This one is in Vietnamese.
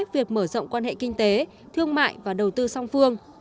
việc mở rộng quan hệ kinh tế thương mại và đầu tư song phương